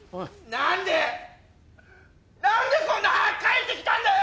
なんでこんな早く帰ってきたんだよ！！